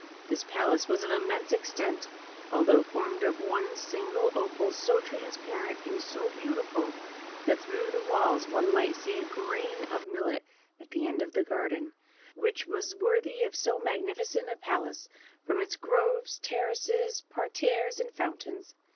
This palace was of immense extent, although formed of one single opal, so transparent and so beautiful that through the walls one might see a grain of millet at the end of the garden, which was worthy of so magnificent a palace, from its groves, terraces, parterres, and fountains.